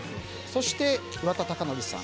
そして、岩田剛典さん